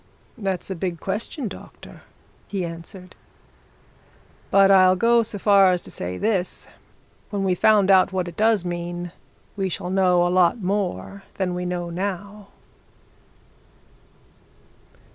"That's a big question, doctor," he answered. "But I'll go so far as to say this when we've found out what it does mean, we shall know a lot more than we know now!"